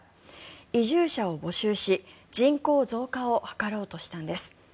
移住者を募集し人口増加を図ろうとしたんです。